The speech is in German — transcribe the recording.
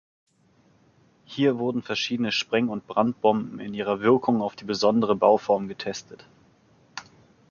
Hier wurden verschiedene Spreng- und Brandbomben in ihrer Wirkung auf die besondere Bauform getestet.